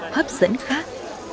hấp dẫn khác